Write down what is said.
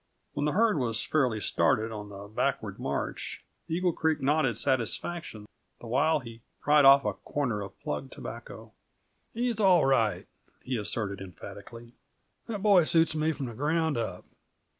When the herd was fairly started on the backward march, Eagle Creek nodded satisfaction the while he pried off a corner of plug tobacco. "He's all right," he asserted emphatically. "That boy suits me, from the ground up.